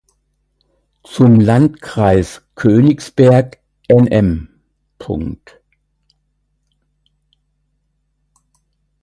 Zum Landkreis Königsberg Nm.